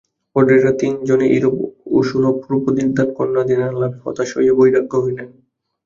বরেরা তিন জনেই এইরূপ অসুলভরূপনিধান কন্যানিধান লাভে হতাশ হইয়া বৈরাগ্য লইলেন।